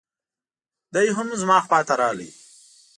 دی هم زما خواته راغی.